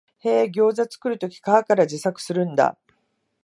へえ、ギョウザ作るとき皮から自作するんだ